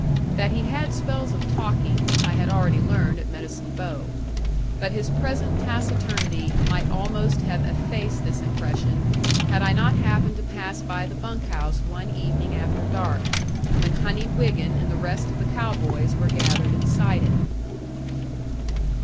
That he had spells of talking, I had already learned at Medicine Bow. But his present taciturnity might almost have effaced this impression, had I not happened to pass by the bunk house one evening after dark, when Honey Wiggin and the rest of the cow boys were gathered inside it.